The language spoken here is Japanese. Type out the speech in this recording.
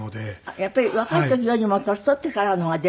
やっぱり若い時よりも年取ってからの方が出てくる？